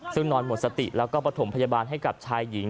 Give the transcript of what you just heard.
ซึ่งนอนหมดสติแล้วก็ประถมพยาบาลให้กับชายหญิง